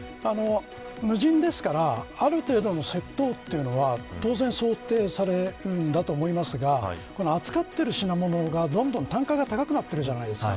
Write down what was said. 無人ですから、ある程度の窃盗は当然想定されるんだと思いますが扱っている品物が、どんどん単価が高くなっているじゃないですか。